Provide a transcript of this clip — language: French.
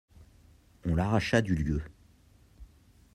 On l'arracha du lieu.